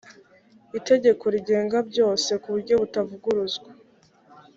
itegeko rigenga byose ku buryo butavuguruzwa